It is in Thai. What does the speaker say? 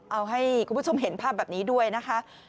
เอาให้คุณผู้ชมเห็นภาพแบบนี้ด้วยนะคะ